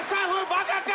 バカか？